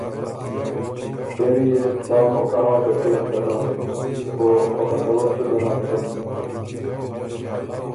”پېری يې سا موقع هۀ که کېم دله، او خپه کوک سُو ګۀ نک سُن“